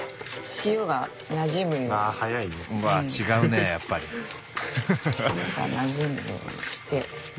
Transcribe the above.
塩がなじむようにして。